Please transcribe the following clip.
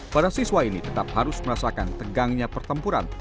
para siswa ini tetap harus merasakan tegangnya pertempuran